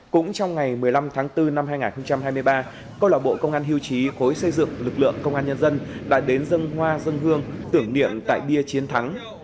cũng trong ngày một mươi năm tháng bốn năm hai nghìn hai mươi ba câu lạc bộ công an hưu trí khối xây dựng lực lượng công an nhân dân đã đến dân hoa dân hương tưởng niệm tại bia chiến thắng